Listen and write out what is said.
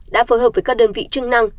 đã phối hợp với các đơn vị chức năng